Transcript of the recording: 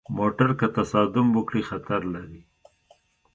موټر که تصادم وکړي، خطر لري.